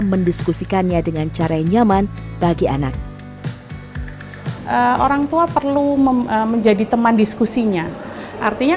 mendiskusikannya dengan cara yang nyaman bagi anak orang tua perlu menjadi teman diskusinya artinya